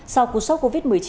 sau cuộc sốc covid một mươi chín